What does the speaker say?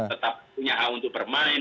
tetap punya hak untuk bermain